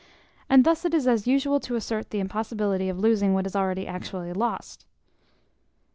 And thus it is as usual to assert the impossibility of losing what is already actually lost.